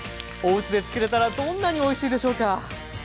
おうちで作れたらどんなにおいしいでしょうか。